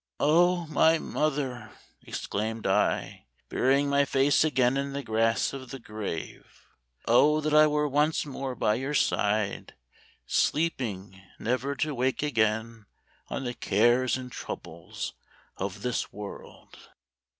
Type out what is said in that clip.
' O my mother !' ex claimed I, burying my face again in the grass of the grave ;' O that I were once more by your side, sleeping never to wake again on the cares and troubles of this world